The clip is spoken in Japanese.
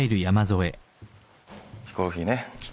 ヒコロヒーね。